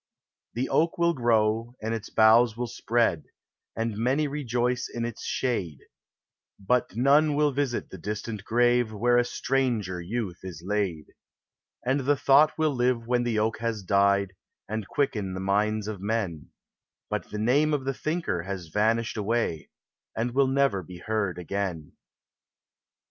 The oak will grow and its boughs will spread, And many rejoice in its shade, But none will visit the distant grave, Where a stranger youth is laid ; And the thought will live when the oak has died, And quicken the minds of men, But the name of the thinker has vanished away, And will never be heard again.